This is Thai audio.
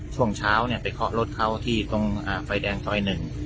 ช่วงเช้าเนี่ยไปเถาะรถเขาที่ตรงในไฟแดงช่อยหนึ่ง